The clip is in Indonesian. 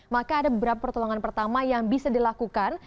maka ada beberapa pertolongan pertama yang bisa dilakukan